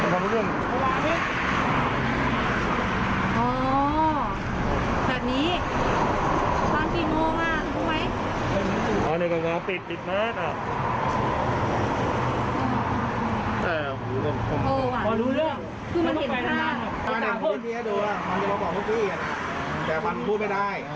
คือมันเห็นภาพภูมิ